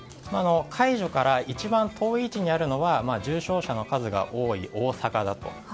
解除から一番遠い位置にあるのは重症者の数が多い、大阪だと。